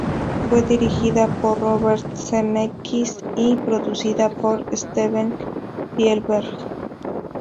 Fue dirigida por Robert Zemeckis y producida por Steven Spielberg.